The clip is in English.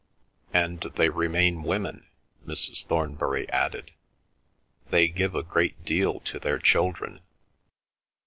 "And they remain women," Mrs. Thornbury added. "They give a great deal to their children."